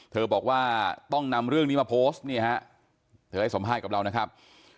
เธอบอกว่าต้องนำเรื่องนี้มาโพสต์นี่ฮะเธอให้สัมภาษณ์กับเรานะครับ